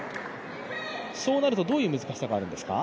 そうなると、どういう難しさがあるんですか？